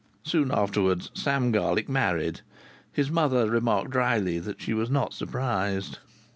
Soon afterwards Sam Garlick married; his mother remarked drily that she was not surprised.